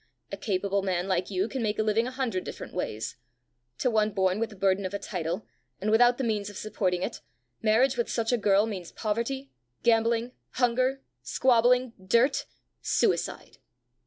A capable man like you can make a living a hundred different ways; to one born with the burden of a title, and without the means of supporting it, marriage with such a girl means poverty, gambling, hunger, squabbling, dirt suicide!"